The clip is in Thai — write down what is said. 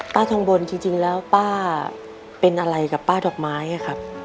ป้าทองบนจริงแล้วป้าเป็นอะไรกับป้าดอกไม้ครับ